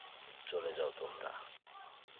চলে যাও তোমরা!